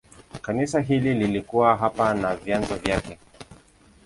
Kanisa hili lilikuwa hapa na vyanzo vyake.